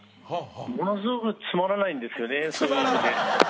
ものすごくつまらないんですよね、そういう意味で。